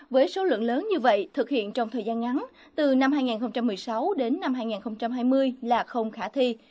với số lượng lớn như vậy thực hiện trong thời gian ngắn từ năm hai nghìn một mươi sáu đến năm hai nghìn hai mươi là không khả thi